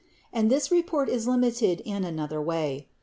And this report is limited in another way.